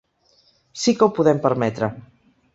Sí que ho podem permetre.